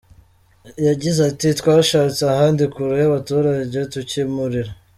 Yagize ati “Twashatse ahandi kure y’abaturage tucyimurira.